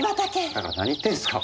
だから何言ってんすか？